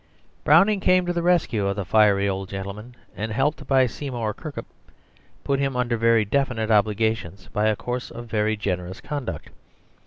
Browning came to the rescue of the fiery old gentleman, and helped by Seymour Kirkup put him under very definite obligations by a course of very generous conduct.